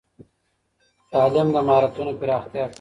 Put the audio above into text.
تعليم د مهارتونو پراختيا کوي.